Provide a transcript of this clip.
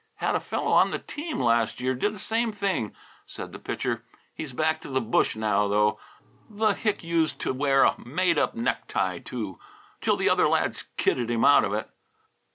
"Had a fellow on the team last year did the same thing," said the Pitcher. "He's back to the bush now, though. The hick used to wear a made up neck tie, too, till the other lads kidded him out of it."